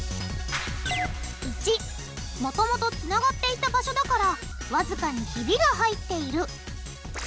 ①もともとつながっていた場所だからわずかにひびが入っている。